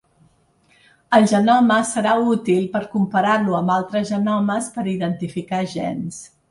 El genoma serà útil per comparar-lo amb altres genomes per identificar gens.